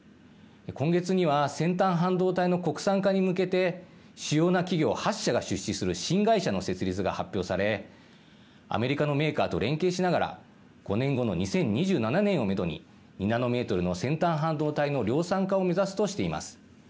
今月には先端半導体の国産化に向けて主要な企業８社が出資する新会社の設立が発表されアメリカのメーカーと連携しながら５年後の２０２７年をめどに２ナノメートルの先端半導体の量産化を目指すとしています。